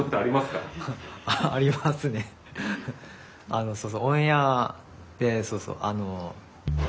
あのそうそうオンエアでそうそうあの。